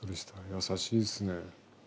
優しいっすね。